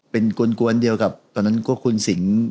เป็นกวนเดียวกับตอนคุณสิ๋ง